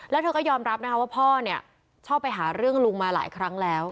แล้วเธอก็ยอมรับนะคะว่าพ่อเนี่ยชอบไปหาเรื่องลุงมาหลายครั้งแล้ว